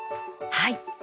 はい。